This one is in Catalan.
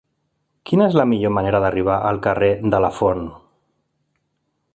Quina és la millor manera d'arribar al carrer de Lafont?